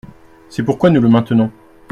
C’est pourquoi nous le maintenons.